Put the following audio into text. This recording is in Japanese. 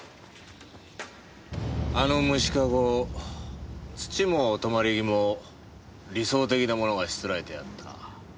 あの虫カゴ土も止まり木も理想的なものがしつらえてあった。